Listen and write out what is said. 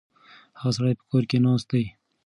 هغه سړی په کور کې ناست دی.